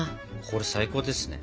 これ最高ですね。